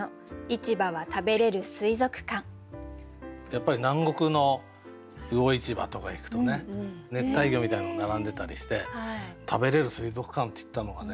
やっぱり南国の魚市場とか行くと熱帯魚みたいなのが並んでたりして「食べれる水族館」って言ったのが見事でね